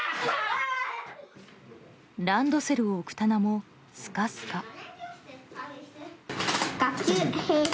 ランドセルを置く棚もスカスカ。